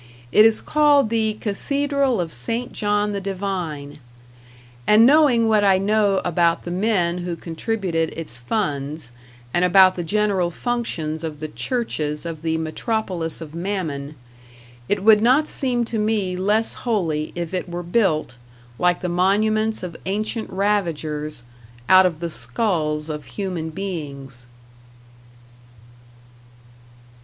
It is called the Cathedral of St. John the Divine; and knowing what I know about the men who contributed its funds, and about the general functions of the churches of the Metropolis of Mammon, it would not seem to me less holy if it were built, like the monuments of ancient ravagers, out of the skulls of human beings.